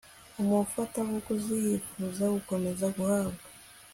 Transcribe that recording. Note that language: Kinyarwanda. umufatabuguzi yifuza gukomeza guhabwa